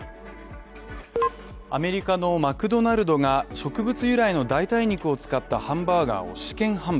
アメリカのマクドナルドが、植物由来の代替肉を使ったハンバーガーを試験販売